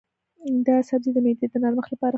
دا سبزی د معدې د نرمښت لپاره ښه دی.